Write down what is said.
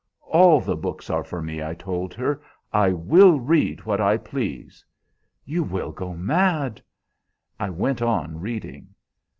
'All the books are for me,' I told her. 'I will read what I please.' "'You will go mad!' "I went on reading.